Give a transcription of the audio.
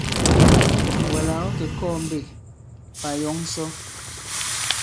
Wɛ̀ là ɔ̌ kè kɔɔ̄ mbe, pà yɔ̌ŋ sɔ?